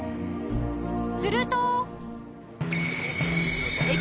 すると